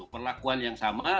perlakuan yang sama